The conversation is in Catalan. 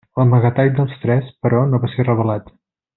L'amagatall dels tres, però, no va ser revelat.